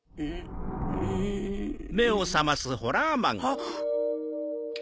あっ。